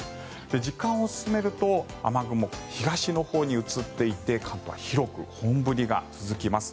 時間を進めると雨雲は東のほうに移っていって関東は広く本降りが続きます。